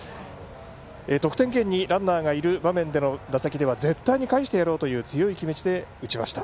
得点圏にランナーがいる場面での打席では絶対に返してやろうという強い気持ちで打ちました。